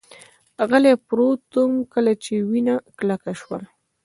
غلی پروت ووم، کله چې وینه کلکه شول.